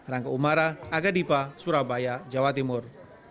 rangka umara aga dipa surabaya jawa timur